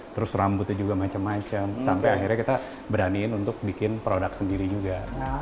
terus rambutnya juga macam macam sampai akhirnya kita beraniin untuk bikin produk sendiri juga